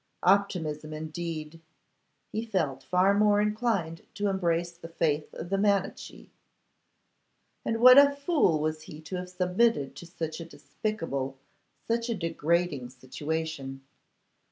Optimism, indeed! He felt far more inclined to embrace the faith of the Manichee! And what a fool was he to have submitted to such a despicable, such a degrading situation!